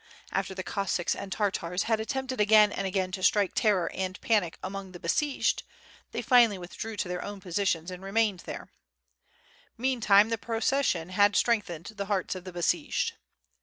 After the Cossacks and Tartars had attempted again and again to strike terror and panic among the be sieged, they finally withdrew to their own positions and re mained there. Meantime the procession had strengthened the hearts of the besieged.